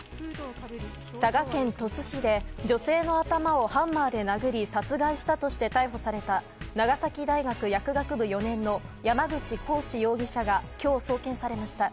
佐賀県鳥栖市で女性の頭をハンマーで殴り殺害したとして逮捕された長崎大学薬学部４年の山口鴻志容疑者が今日、送検されました。